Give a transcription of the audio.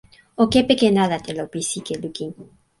o kepeken ala telo pi sike lukin.